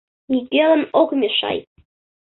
— Нигӧлан ок мешай.